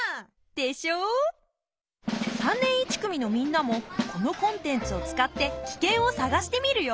３年１組のみんなもこのコンテンツを使ってキケンを探してみるよ。